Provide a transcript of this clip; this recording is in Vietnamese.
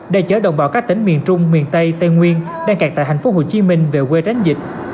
để chở đồng bào các tỉnh miền trung miền tây tây nguyên đang cạt tại thành phố hồ chí minh về quê tránh dịch